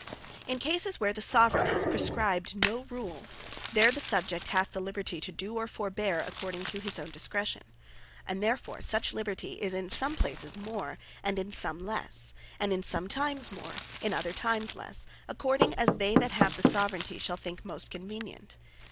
In cases where the Soveraign has prescribed no rule, there the Subject hath the liberty to do, or forbeare, according to his own discretion. And therefore such Liberty is in some places more, and in some lesse; and in some times more, in other times lesse, according as they that have the Soveraignty shall think most convenient.